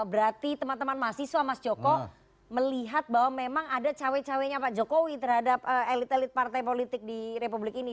berarti teman teman mahasiswa mas joko melihat bahwa memang ada cawe cawe nya pak jokowi terhadap elit elit partai politik di republik ini